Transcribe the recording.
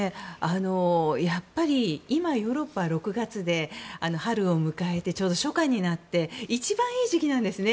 やっぱり今、ヨーロッパは６月で春を迎えてちょうど初夏になって一番いい時期なんですね。